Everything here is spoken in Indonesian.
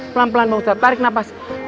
pelan pelan bang ustaz tarik nafas